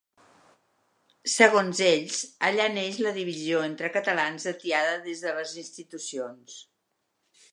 Segons ells, allà neix la divisió entre catalans atiada des de les institucions.